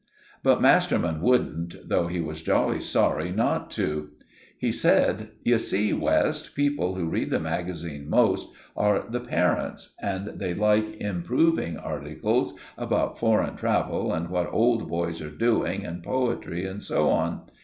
But Masterman wouldn't, though he was jolly sorry not to. He said— "You see, West, the people who read the magazine most are the parents, and they like improving articles about foreign travel and what old boys are doing, and poetry, and so on.